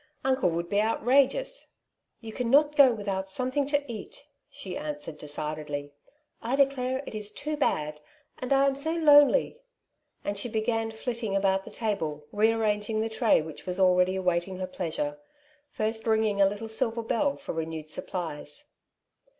Uncle would be outrageous/' '' You cannot go without something to eat,'' she answered decidedly. " I declare it is too bad, and I am so lonely !" And she began flitting about the table, rearranging the tray which was already await ing her pleasure — first ringing a little silver bell for renewed supplies.